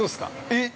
◆えっ！？